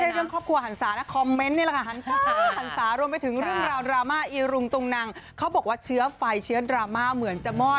ร่วมไปถึงเรื่องราวดรามาอีรุงตุงนั่งเขาบอกว่าเชื้อไฟเชื้อดรามาเหมือนจะมอด